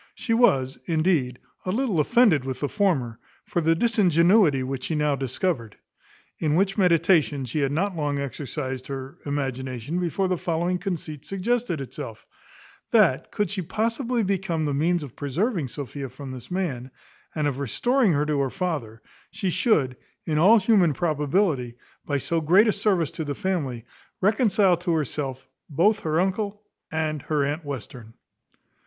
She was, indeed, a little offended with the former, for the disingenuity which she now discovered. In which meditation she had not long exercised her imagination before the following conceit suggested itself; that could she possibly become the means of preserving Sophia from this man, and of restoring her to her father, she should, in all human probability, by so great a service to the family, reconcile to herself both her uncle and her aunt Western.